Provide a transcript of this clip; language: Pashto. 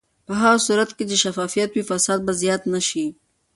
په هغه صورت کې چې شفافیت وي، فساد به زیات نه شي.